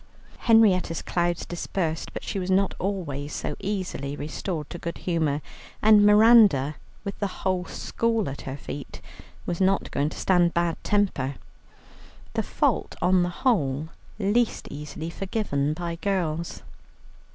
Henrietta's clouds dispersed, but she was not always so easily restored to good humour; and Miranda, with the whole school at her feet, was not going to stand bad temper, the fault on the whole least easily forgiven by girls.